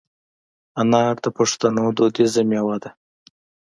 انار د پښتنو دودیزه مېوه ده.